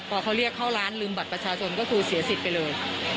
พอเขาเรียกเข้าร้านลืมบัตรประชาชนก็คือเสียสิทธิ์ไปเลย